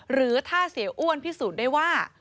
หรือถ้าเสียอ้วนพิสูจน์ได้ว่า